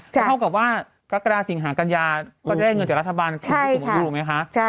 เท่ากับว่ากรกฎาสิงหากัญญาก็ได้เงินจากรัฐบาลสูงสมุทรรูปไหมคะ